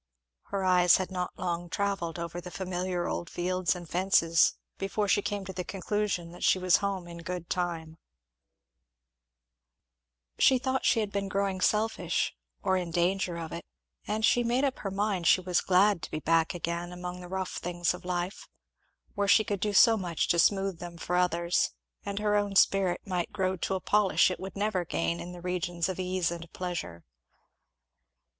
Her eyes had not long travelled over the familiar old fields and fences before she came to the conclusion that she was home in good time, she thought she had been growing selfish, or in danger of it; and she made up her mind she was glad to be back again among the rough things of life, where she could do so much to smooth them for others and her own spirit might grow to a polish it would never gain in the regions of ease and pleasure.